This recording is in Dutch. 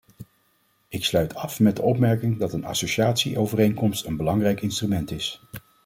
Ik sluit af met de opmerking dat een associatieovereenkomst een belangrijk instrument is.